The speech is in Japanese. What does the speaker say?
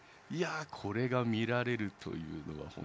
これが見られるというのは。